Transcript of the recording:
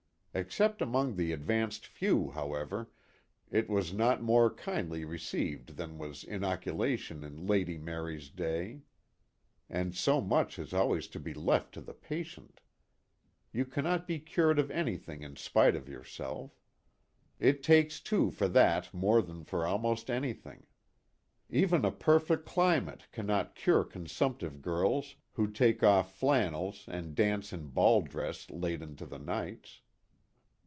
Except among the advanced few, however, it was not more kindly received than was inoculation in Lacly Mary's day. And so much has always to be left to the patient. You cannot be cured of anything in spite of yourself. It takes two for that more than for almost anything. Even a perfect cli mate cannot cure consumptive girls who take off flannels and dance in bail dress late into the nights.